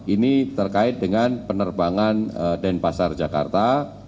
ini terkait dengan penerbangan denpasar jakarta